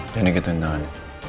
dan itu yang tahan